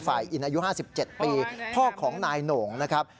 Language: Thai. อินอายุ๕๗ปีพ่อของนายโหน่งนะครับ